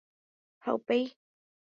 Ha upéi?